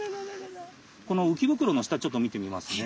このうきぶくろの下ちょっと見てみますね。